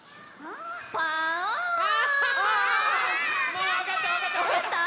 もうわかったわかったわかった！